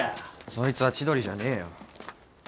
そいつは千鳥じゃねえよ。